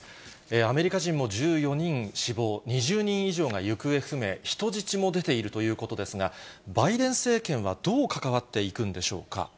アメリカ人も１４人死亡、２０人以上が行方不明、人質も出ているということですが、バイデン政権はどう関わっていくんでしょうか。